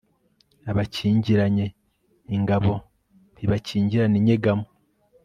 abakingiranye ingabo ntibakingirana inyegamo